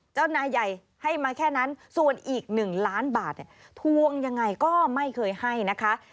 นายใหญ่ให้มาแค่นั้นส่วนอีก๑ล้านบาทเนี่ยทวงยังไงก็ไม่เคยให้นะคะ